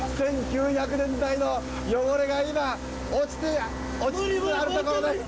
１９００年代の汚れが今落ちつつあるところです